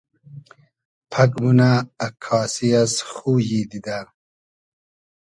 پئگ مونۂ اککاسی از خویی دیدۂ